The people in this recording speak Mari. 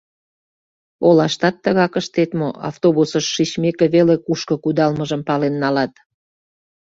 Олаштат тыгак ыштет мо: автобусыш шичмеке веле кушко кудалмыжым пален налат?